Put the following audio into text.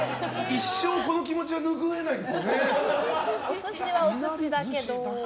一生その気持ちは拭えないですよね。